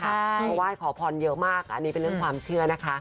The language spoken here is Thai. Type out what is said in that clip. เพราะว่าไหว้ขอพรเยอะมากอันนี้เป็นเรื่องความเชื่อนะคะ